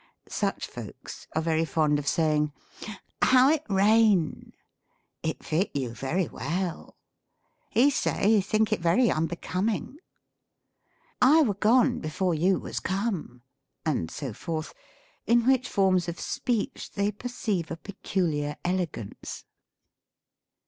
Such folks are very fond of saying, " How it rain !"" It fit you very well." " He say he think it very unbecoming." " I were gone before 78 THE COMIC ENGLISH GRAMMAR. you was come," and so forth, in which fornns of speech they perceive a peculiar elegance.